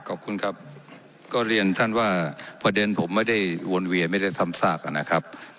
ขอบคุณครับก็เรียนท่านว่าประเด็นผมไม่ได้วนเวียนไม่ได้ซ้ำซากนะครับ